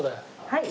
はい。